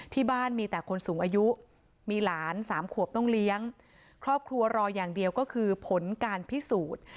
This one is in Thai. ที่บ้านมีแต่คนสูงอายุมีหลานสามขวบต้องเลี้ยงครอบครัวรออย่างเดียวก็คือผลการพิสูจน์